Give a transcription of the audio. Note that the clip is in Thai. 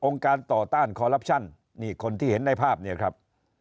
การต่อต้านคอลลับชั่นนี่คนที่เห็นในภาพเนี่ยครับ